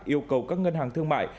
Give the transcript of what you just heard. yêu cầu các ngân hàng thương mại